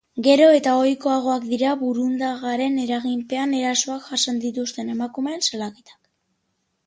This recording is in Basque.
Gero eta ohikoagoak dira burundagaren eraginpean erasoak jasan dituzten emakumeen salaketak.